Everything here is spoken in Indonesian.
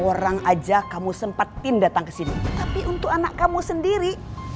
orang aja kamu sempetin datang kesini tapi untuk anak kamu sendiri